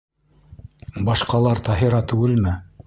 Башҡалар Таһира түгелме?